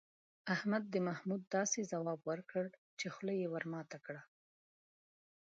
احمد د محمود داسې ځواب وکړ، چې خوله یې ور ماته کړه.